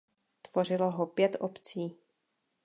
Tvořilo ho pět obcí.